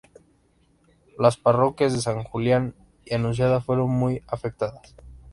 Las parroquias de San Julián y Anunciada fueron muy afectadas.